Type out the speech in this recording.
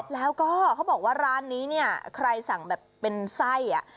แล้วก็เขาบอกว่าร้านนี้เนี่ยใครสั่งแบบเป็นไส้อะ